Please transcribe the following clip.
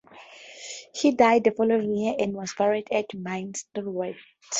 He died the following year and was buried at Minsterworth.